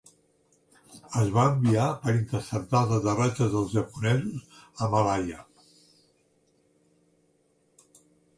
Es va enviar per interceptar els aterratges dels japonesos a Malaya.